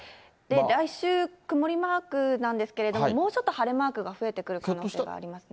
来週、曇りマークなんですけれども、もうちょっと晴れマークが増えてくる可能性がありますね。